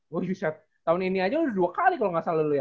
wow tahun ini aja lu udah dua kali kalo gak salah lu ya